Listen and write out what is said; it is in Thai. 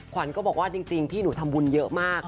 ขวัญก็บอกว่าจริงพี่หนูทำบุญเยอะมาก